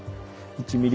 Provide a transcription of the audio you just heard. １ｍｍ？